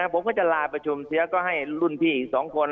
ผมก็จะลาประชุมเสียก็ให้รุ่นพี่อีก๒คน